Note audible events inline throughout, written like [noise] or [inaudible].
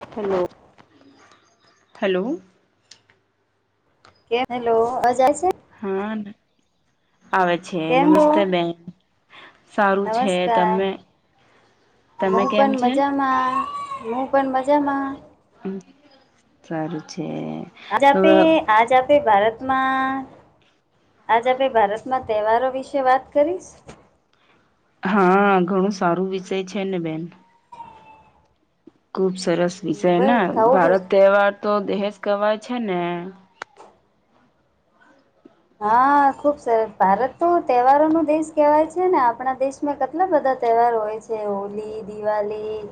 હ હલો કે હેલો અજાય છે હા આવે છે કેમ છો નમસ્તે બેન સારું છે તમે બ તમે કેમ પણ છે મજામાં બ પણ બાજામાં સારું છે આજ આપે આજ આપે ભારતમાં આજ આપે ભારત મા તહેવારો વિશે વાત કરીશ હા ઘણું સારું વિષય છે ને બેન ખુબ સરસ વિષય બસ ને ખાવું પી ભારત તહેવાર તો દેહેજ કવાય છે ને હા ખુબ સરસ ભારત તો તહેવારો ન દેશ કહેવાય છે ને આપણા દેશ દમાં કેટલા બધા તહેવાર હોય છે હોલી દિવાળી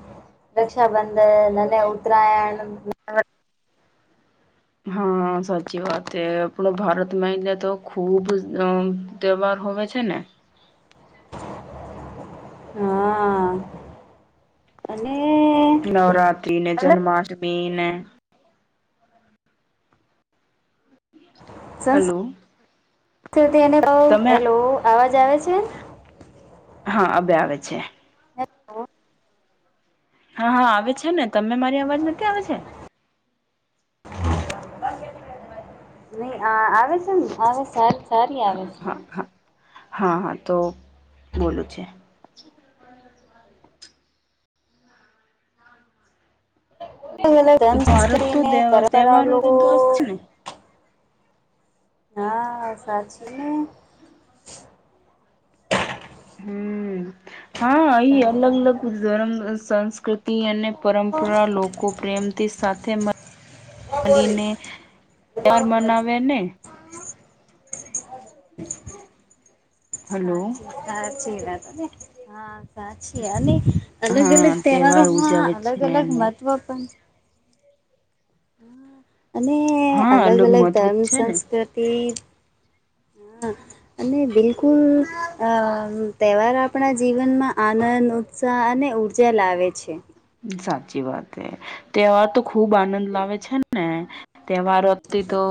રક્ષાબંધન અનેને ઉત્તરાયણ હા સાચી વાત એ આપણ ભારતમાં એને તો ખુબ અ તોવાર હો છે ને હા અને નવરાત્ર્રી ને અલગ જન્માષ્ટમી ને સંસ્ હલો તમે હેલો અવાજ આવે છે હા [inaudible] અબે આવે છે હેલો! હા હા આવે છે ને તમે મારી અવાજ નથી આવે છે? નહી આ આવે છે ને આવે છે. સારી હા આવે હા હા હા હા તો બોલું છે અલગ અલગ ભારત ગંધસ્ત્રી તો ને પરંપરા તહેવારો નો લોકો દોષ છે ને. હા સાચી ને હમ હા એ અલગ અલગ ધર્મ સંસ્કૃતિ અને પરંપરા લોકો પ્રેમથી સાથે લીને તાર મનાવ્યા ને હલો. સાચી સાચી વા ત ને હા સાચી અને અલગ હા અલગ તહેવારો તહેવાર માં ઉજવે અલગ છે અલગ ને મહત્વ પણ હ અને હા અલગ અલગ મહત્વ ધર્મ છે ને. સંસ્કૃતિ હા અને બિલકુલ તહેવાર આપણા જીવનમાં આનંદ સહ અને ઉર્જા લાવે છે. સાચી વાત હ તે આ તો ખુબ આનંદ લાવે છે ને, તહેવારોથી તો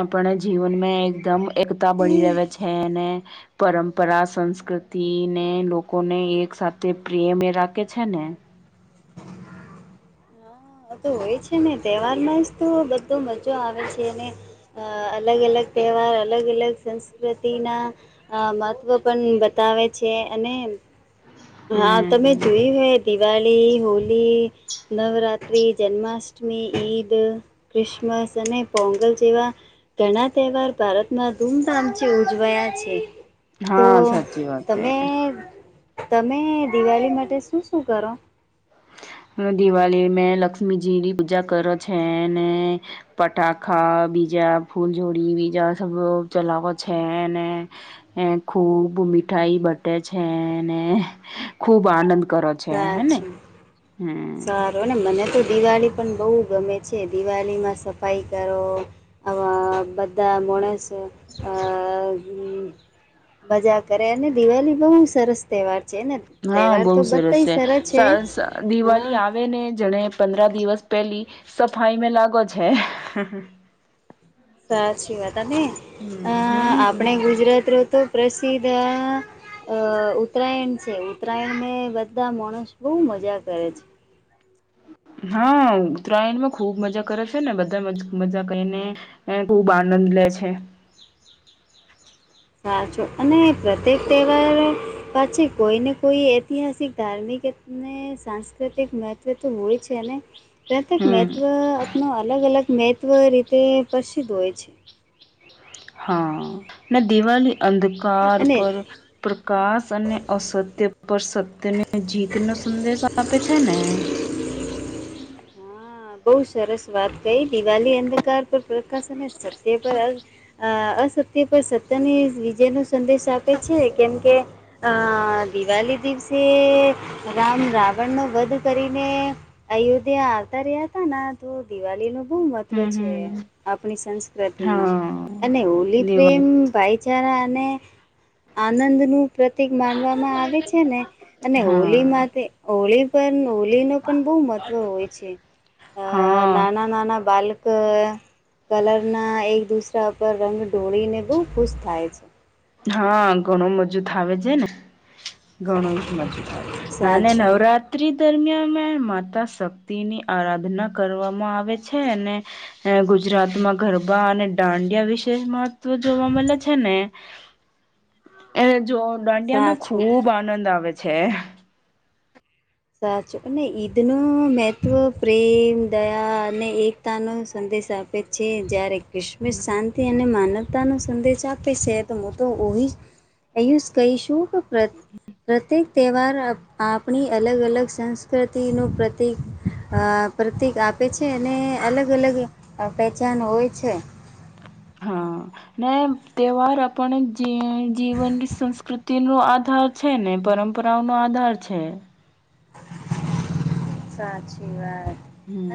આપણે જીવનમાં એકદમ એકતા બની રહે છે ને પરંપરા સંસ્કૃતિને લોકોને એક સાથે પ્રેમે રાખે છે ને. હ તો હોય છે ને તહેવાર માં જ તો બધો મજો આવે છે ને. અલગ અલગ તહેવાર અલગ અલગ સંસ્કૃતિના અ મહત્વ પણ બતાવે છે અને હા તમે હમ જોયું હોય દિવાળી હોલી નવરાત્ર રાત્રિ જન્માષ્ટમી ઈદ ક્રિસમસ અને પોંગલ જેવા ઘણા તહેવાર ભારતમાં ધૂમધામથી ઉજવાયા છે. તો હા સાચી વાત હે. તમે તમે દિવાળી માટે શું શું કરો? હ દિવાળી મે લક્ષ્મીજીની પૂજા કરો છે અનેને પટાકાા બીજા ફૂલ જોોડી બીજા સ ચલાવો છે ને એ ખૂબ મીઠાઈ બટે છેને, ખૂબ આનંદ કરો. છે હેને સાચું હમ સારું ને મને તો દિવાળી પણ બહુ ગમે છે દિવાળીમાં સફાઈ કરો. આવા બધા મોણસ આ મજા કરે અને દિવાળી બહુ સરસ તહેવાર છે ને. હા તહેવાર બહુ તો સરસ બધા છે હા દિવાળી આવે ને જણે પંદરા દિવસ પેલી સફાઈ મે લાગો છે. સાચી વાત આપને અ હમ હમ આપણે ગુજરાત રો તો પ્રસિદ્ધ આ અ ઉત્તરાયણ છે ઉત્તરાયણ ને બધા માણસ બહુ મજા કરે છે. હા ઉત્તરાયણ માં ખુબ મજા કરે છે ને બધા મજા કરીને એ ખુબ આનંદ લે છે. સાચો અને પ્રત્યેક તહેવાર પાછ કોઈને કોઈ ઐતિહાસિક ધાર્મિક ને સાંસ્કૃતિક મહત્ત્વ તો હોય છે અને પ્રત્યેક હમ મહત્ત્વ આપનું અલગ અલગ મહત્વ રીતે પ્રસિદ્ધ હોય છે. હા ના દિવાી અંધકાર અને પર પ્રકાશ અને અસત્ય પર સત્યને જીત નો સંદેશ આપે છે ને. હા બહુ સરસ વાત કઈ દિવાળ અંધકાર પર પ્રકાશ અને સત્ય પર અ અસત્ય પર સત્યને વિજય નો સંદેશ આપે છે કેમ કે અ દિવાળી દિવસે રામ રાવણનોો વધ કરીને અયોધ્યા આવતા રહ્યા ત ત દિવાળી નું બો મહત્વ હમ છે, હમ આપણી સંસ્કૃતિમાં હા અને હોલી પ્રેમ દિવાળી ભાઈ ચારા અને અને આનંદનું પ્રતિક માનવામાં આવે છે, ને અને હા હોલીમાંથી હોળી પન હોલી ન પણ બહુ મહત્વ હોય છે, અ હા નાના નાના બાલ કલરના એક દૂસરા ઉપર રંગ ઢોળીને બહુ ખુશ થાય છે. હા ઘણું મજું થાવ છે ને, ઘણો ઈ મજો થ આવે અને સાચું નવરાત્ર રાત્રી દરમિયાન માતા શક્તિની આરાધના કરવામાં આવે છે અને ગુજરાતમાં ગરબા અને દાંડિયા વિશે મહત્વ જોવા મળે છે ને. એ જો દાંડિયામાં સાચું ખુબ આનંદ આવે છે. સાચું અને ઈદનું મેહત્ત્વ પ્રેમ દયા અને એ તાનો સંદેશ આપે છે, જ્યારે ક્રિસમીસ શા તેને માનવતાનો સંદેશ આપે છે, તો હું તો ઓહી અહીયું જ કહીશું શુ પર પ્રત્યેક તહેવાર આ આપણી અલગ અલગ સંસ્કૃતિનું પ્રતિક અ પ્રતિક આપે છે, અને અલગ અલગ પહેચાન હોય છે. હ ને તહેવાર આપણને જ જીવનની સંસ્કૃતિનો આધાર છે, ને પરંપરાઓનો આધાર છે. સાચી વાત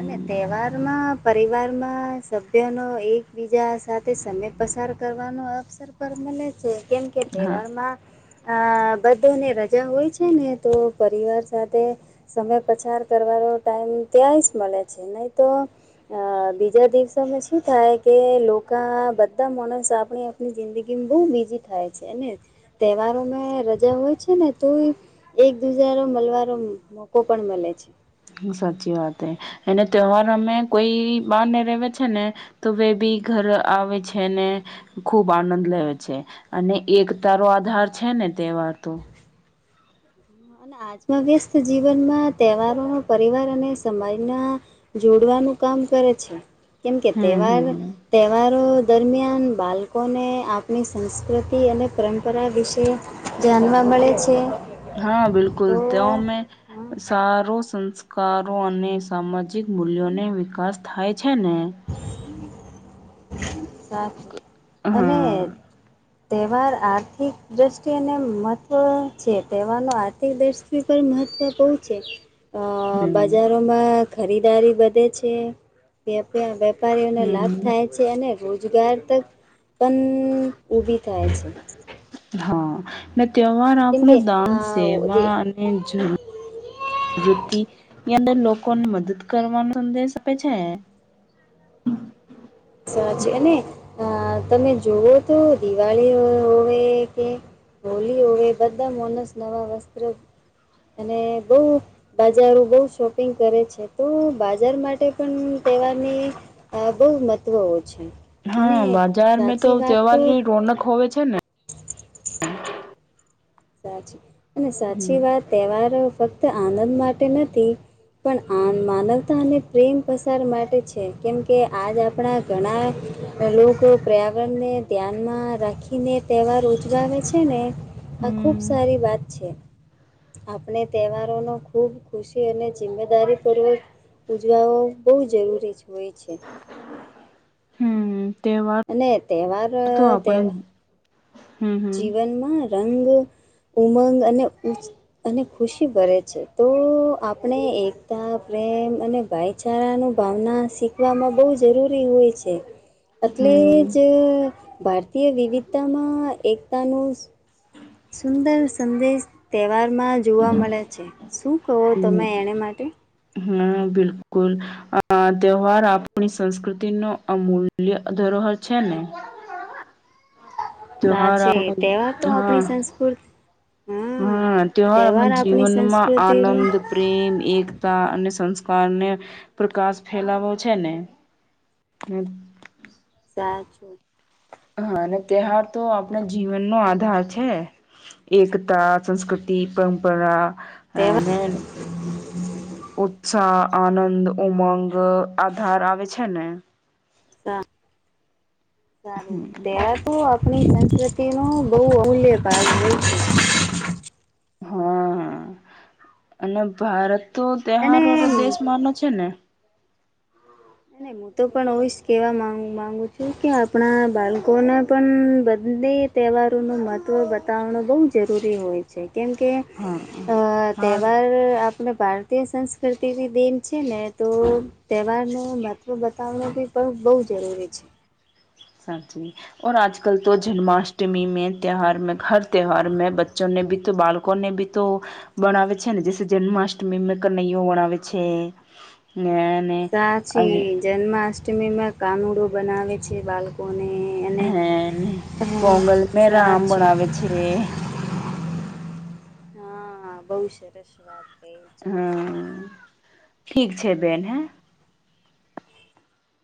અને તહેવાર માં પરિવારમાં સભ્યનો એકબીજા સાથે સમય પસાર કરવાનો અ પર મલે છે કેમ કે હા. તહેવારમાં આ બધુંને રજા હોય છે, ને તો પરિવાર સાથે સમય પછાર કરવાનો ટાઈમ ત્યાંય જ મલે છે, નહીં તો અ બીજા દિવસોમાં શું થાય કે લોકા બધા માણસ આપણી ની જિંદગીમાં બો બીઝી થાય છે, ને તહેવારોમાં રજા હોય છે, ને તો એ એક દુજરા નો મલવાનો મોકો પણ મલે છે. સાચી વાત એનો તહેવાર અમે કોઈ બાર ને રેવે છે ને તો બે બી ઘર આવે છે, ને ખુબ આનંદ લેવે છે, અને એકતા રો આધાર છે, ને તહેવાર તો અને આજના વ્યસ્ત જીવનમાં તહેવારોનો પરિવાર અને સમાજના જોડવાનું કામ કરે છે, કેમકે હમ તહેવાર હમ. તહેવારો દરમિયાન બાલકોને આપણી સંસ્કૃતિ અને પરંપરા વિશે જાનવા મળે છે. હા બિલકુલ તો ત્યો મેં હા સારો સંસ્ કારો અને સામાજિક મૂલ્યોને વિકાસ થાય છે, ને સાફ અને હા તહેવાર આર્થિક દ્રષ્ટિને મહત્વ છે, તહે વારનો આર્થિક દ્રષ્ટિ પર મહત્વ બોવ છે, અ હમ બજાર માં ખરીદારી વધે છે, વે વેેપારીઓને લાભ હમ થાય છે, અને રોજગાર તક પન ઉભી થાય છે. હ ને તહેવાર કેમકે આપણું દાન આ સેવા અને જ વૃત્તિ ની અંદર લોકોને મદદ કરવાનો સંદેશ આપે છે. [inaudible] સાચી અને અ તમે જુઓ તો દિવાળી હોવે કે હોલી હોવે બધા મોનસ નવા વસ્ત્ર અને બોવ બજારો બોવ શોપિંગ કરે છે, તો બાજાર માટે પણ તહેવારની આ બહુ મહત્વ ઓ છે. હા અને બજારમે તો સાચી વાત તહેવાર રોનક હોવે છે, ને સાચી અને હમ સાચી વાત તહેવારો ફક્ત આનંદ માટે નથી પણ આ માનવતા અને પ્રેમ પસાર માટે છે, કેમ કે આજ આપણા ઘણા લોકો પર્યાવરણને ધ્યાનમાં રાખીને તહેવાર ઉજગાવે છે, ને આ ખૂબ હમ સારી વાત છે આપણે તહેવારો ને ખૂબ ખુશી અને જિમ્મેદારી પૂર્વક ઉજવાવો બહુ જરૂરી હોય છે હમ તહેવાર અને તહેવાર તો આપણે તહેવા હમ હમ જીવનમાં રંગ, ઉમંગ અને ઉ અને ખુશી ભરે છે, તો આપણે એકતા, પ્રેમ અને ભાઈ બચારાનું ભાવના શીખવામાં બોવ જરૂરી હોય છે. હ એટલે જ ભારતીય વિવિધતામાં એકતાનું સુંદર સંદેશ તહેવારમાં જોવા મળે છે શું કહો તમે હમ એને માટે હમ બિલકુલ આ તહેવાર આપણી સંસ્કૃતિ નો અમૂલ્ય ધરોહર છે ને ત્યોહાર આપ સાચે તહેવાર તો હા આપણી સંસ્કૃતિ હમ હા તહેવાર આપણા આપણી જીવનમાં સંસ્કૃતિનું આનંદ પ્રેમ એકતા અને સંસ્કારને પ્રકાશ ફેલાવો છે ને હ સા છો હા અને તહેવાાર તો આપણા જીવનનો આધાર છે એકતા સંસ્કૃતિ પરંપરા તહેવાર અને ઉત્સાહ આનંદ ઉમંગ આધાર આવે છે ને સા સારું તેર આપની સંસ્કૃતિમાં બહુ અહુલ્ય પાાગઈ છે હા અને ભારત તો અને તહેહાર વાળો દેશ માનો છે ને એમ તો પણ હુંશ કહેવા માગ માગું છું કે આપણા બાળકોને પણ બધે તહેવારોનું મહત્ત્વ બતાવનુ બહુ જરૂરી હોય છે કેમકે હા અ હા તહેવાર અને ભારતીય સંસ્કૃતિની દેન છે ને તો તહેવારનો મહત્વ બતાવવાનુ બહુ પણ બહુ જરૂરી છે સાચી વાત આજ કલ તો જન્માષ્ટમી મે તિહાર હર તહે્યોહાર મે બચ્ચોને વિત્ત બાળકો કોને બી તો બનાવે છે ને જે જન્માષ્ટમીમાં કનૈયો બનાવે છે ના અને અને સાચી જન્માષ્ટમીમાં કાનુડો બનાવે છે બાળકોને અને હેને હા પોંગલ મે રામ સાચી બવેે છે હા બહુ સરસ વાત કહી ચલો સારું હમ ઠીક છે બેન હે